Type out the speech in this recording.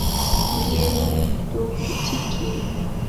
Mghenyu ndeufutukie.